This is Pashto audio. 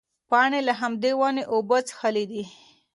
پاڼې له همدې ونې اوبه څښلې دي.